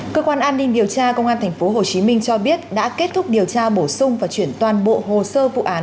cơ quan an ninh điều tra công an tp hcm cho biết đã kết thúc điều tra bổ sung và chuyển toàn bộ hồ sơ vụ án